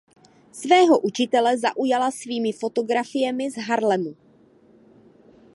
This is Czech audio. Svého učitele zaujala svými fotografiemi z Harlemu.